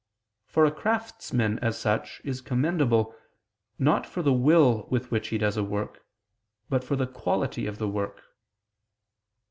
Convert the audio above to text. For a craftsman, as such, is commendable, not for the will with which he does a work, but for the quality of the work.